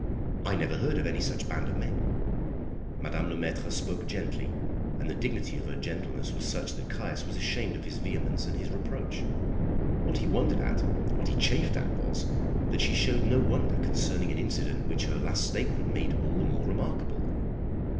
"I never heard of any such band of men." Madame Le Maître spoke gently, and the dignity of her gentleness was such that Caius was ashamed of his vehemence and his reproach. What he wondered at, what he chafed at, was, that she showed no wonder concerning an incident which her last statement made all the more remarkable.